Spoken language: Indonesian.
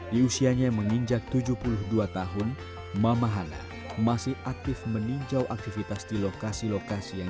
di usianya yang menginjak tujuh puluh dua tahun mama hana masih aktif meninjau aktivitas di lokasi lokasi yang